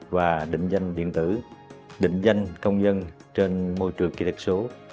và định danh điện tử định danh công dân trên môi trường kỳ lệch số